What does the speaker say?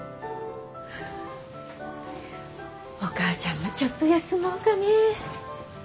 お母ちゃんもちょっと休もうかね。